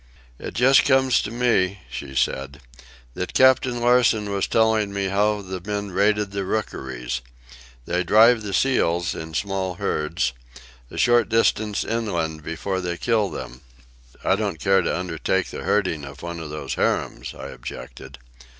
"It just comes to me," she said, "that Captain Larsen was telling me how the men raided the rookeries. They drive the seals, in small herds, a short distance inland before they kill them." "I don't care to undertake the herding of one of those harems," I objected.